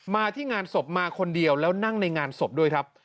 ที่งานศพมาคนเดียวแล้วนั่งในงานศพด้วยครับ